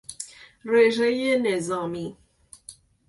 رژهی نظامی